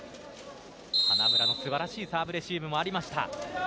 花村の素晴らしいサーブレシーブもありました。